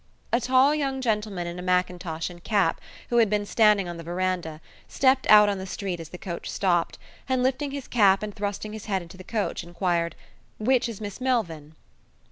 A tall young gentleman in a mackintosh and cap, who had been standing on the veranda, stepped out on the street as the coach stopped, and lifting his cap and thrusting his head into the coach, inquired, "Which is Miss Melvyn?"